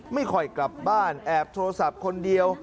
ไม่ค่อยกลับบ้านแอบโทรศัพท์คนเดียว